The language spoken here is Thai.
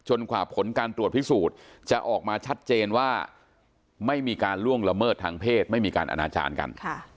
กว่าผลการตรวจพิสูจน์จะออกมาชัดเจนว่าไม่มีการล่วงละเมิดทางเพศไม่มีการอนาจารย์กัน